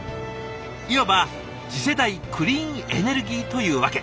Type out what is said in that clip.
いわば次世代クリーンエネルギーというわけ。